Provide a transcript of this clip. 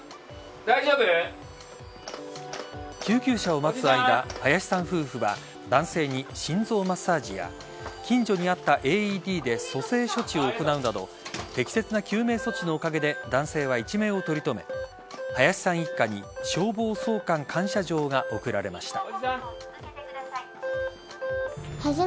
救急車を待つ間、林さん夫婦は男性に心臓マッサージや近所にあったＡＥＤで蘇生処置を行うなど適切な救命措置のおかげで男性は一命を取り留め林さん一家に消防総監感謝状が贈られました。